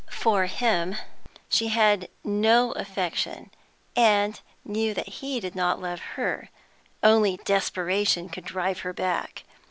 For him she had no affection, and knew that he did not love her; only desperation could drive her back.